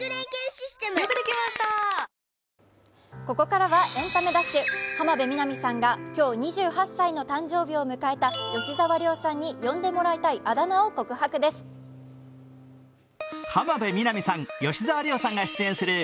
ここからは「エンタメダッシュ」浜辺美波さんが今日２８歳の誕生日を迎えた吉沢亮さんに呼んでもらいたいあだ名を告白です。